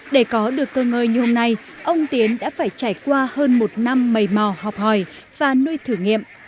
để có được cơ ngơi như hôm nay ông tiến đã phải trải qua hơn một năm mầy mò học hỏi và nuôi thử nghiệm